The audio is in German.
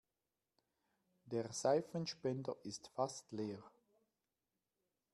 Der Seifenspender ist fast leer.